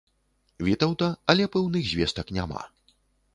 Вітаўта, але пэўных звестак няма.